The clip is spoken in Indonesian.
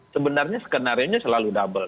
sebenarnya skenario nya selalu double